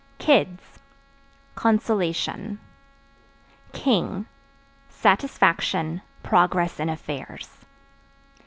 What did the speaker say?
Kids Consolation. King Satisfaction, progress in affairs.